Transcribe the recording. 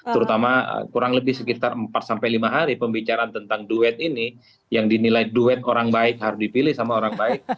terutama kurang lebih sekitar empat sampai lima hari pembicaraan tentang duet ini yang dinilai duet orang baik harus dipilih sama orang baik